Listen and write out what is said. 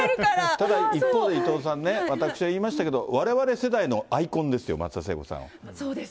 ただ一方で、伊藤さんね、私は言いましたけれども、われわれ世代のアイコンですよ、松田聖そうです。